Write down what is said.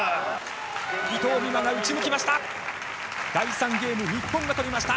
伊藤美誠が打ち抜きました。